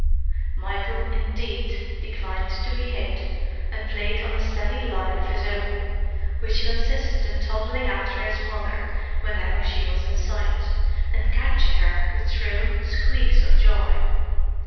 Michael, indeed, declined to be hid, and played on a steady line of his own, which consisted in toddling after his mother whenever she was in sight, and catching her with shrill squeaks of joy.